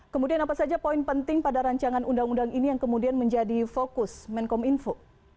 kemudian apa saja poin penting pada rancangan undang undang ini yang kemudian menjadi fokus menkom info